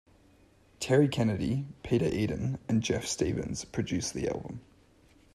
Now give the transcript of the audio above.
Terry Kennedy, Peter Eden, and Geoff Stephens produced the album.